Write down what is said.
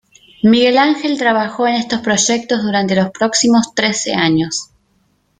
Miguel Ángel trabajó en estos proyectos durante los próximos trece años.